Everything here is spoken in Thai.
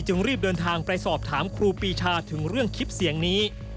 รีบเดินทางไปสอบถามครูปีชาถึงเรื่องคลิปเสียงนี้